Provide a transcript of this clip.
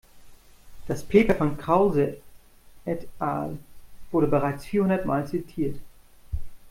Das Paper von Krause et al. wurde bereits vierhundertmal zitiert.